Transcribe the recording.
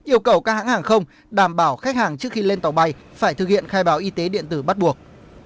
yêu cầu các hãng hàng không đảm bảo khách hàng trước khi lên tàu bay phải thực hiện khai báo y tế điện tử bắt buộc